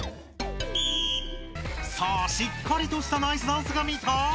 さあしっかりとしたナイスダンスが見たい！